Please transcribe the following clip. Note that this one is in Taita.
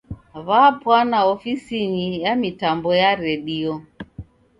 W'apwana ofisinyi ya mitambo ya redio.